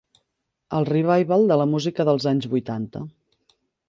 El 'revival' de la música dels anys vuitanta.